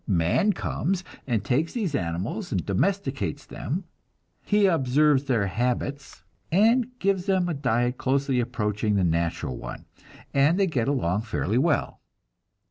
Man comes, and takes these animals and domesticates them; he observes their habits, and gives to them a diet closely approaching the natural one, and they get along fairly well.